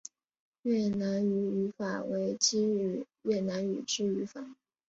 越南语语法为基于越南语之语法。